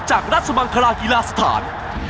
จากรัฐสมังคลาฮิลาสถาน